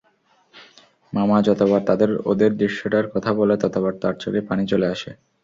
মামা যতবার ওদের দৃশ্যটার কথা বলে, ততবার তার চোখে পানি চলে আসে।